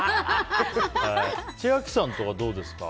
千秋さんとかどうですか？